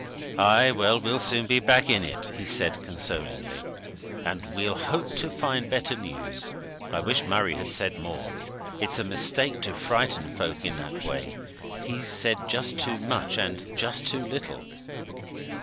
"Aye, well, we'll soon be back in it," he said, consolingly. "And we'll hope to find better news. I wish Murray had said more; it's a mistake to frighten folk in that way he's said just too much and just too little."